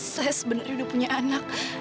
saya sebenarnya sudah punya anak